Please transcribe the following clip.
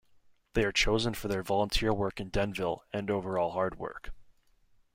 They are chosen for their volunteer work in Denville, and overall hard work.